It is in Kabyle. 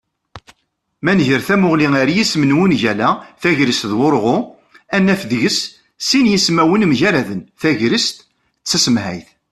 Ma nger tamuγli ar yisem n wungal-a "tagrest d wurγu", ad naf deg-s sin yismawen mgaraden: tegrest d tasemhayt